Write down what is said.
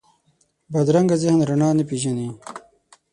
بدرنګه ذهن رڼا نه پېژني